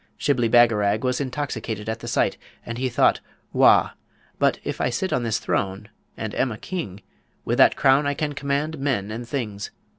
Shibli Bagarag was intoxicated at the sight, and he thought, 'Wah! but if I sit on this throne and am a king, with that crown I can command men and things!